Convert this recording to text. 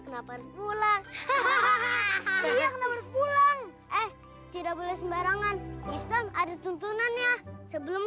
kenapa pulang hahaha pulang eh tidak boleh sembarangan islam ada tuntunannya sebelum